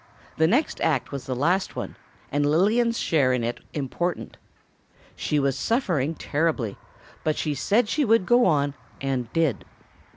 The next act was the last one, and Lillian's share in it important. She was suffering terribly, but she said she would go on, and did.